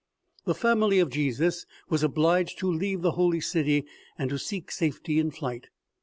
The family of Jesus was obliged to leave the holy city and to seek safety in flight.